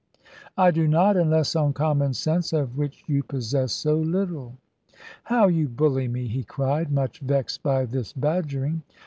"I do not, unless on common sense, of which you possess so little." "How you bully me!" he cried, much vexed by this badgering.